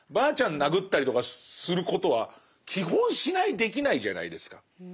殴ったりとかすることは基本しないできないじゃないですか。